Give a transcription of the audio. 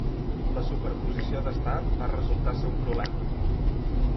La superposició d’estat va resultar ser un problema.